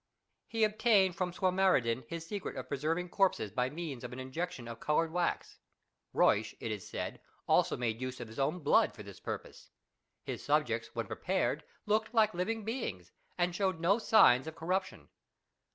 He obtained from Swammerdam his secret of preserv ing corpses by means of an injection of coloured vi^ax. Ruysch, it is said, also made use of his own blood for this purpose. His subjects, when prepared, looked like living beings, and showed no signs of corruption.